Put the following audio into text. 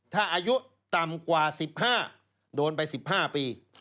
ถ้าอายุต่ำกว่า๑๕โดนไป๑๕ปี